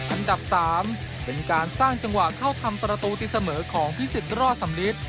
อันดับ๓เป็นการสร้างจังหวะเข้าทำประตูตีเสมอของพิสิทธิรอดสำลิด